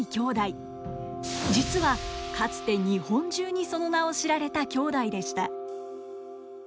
実はかつて日本中にその名を知られた兄弟でした。